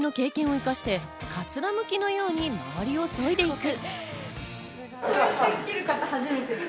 板前の経験を生かして、かつら剥きのように周りをそいでいく。